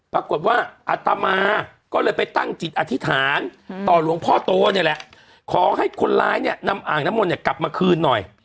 ปรากฎว่าอัตมาก็ไปตั้งอธิษฐานต่อหลวงพ่อโตฑ์ขอให้คนร้ายนำอ่างน้ำมนต์มันกลับมาคลื่นหน่อย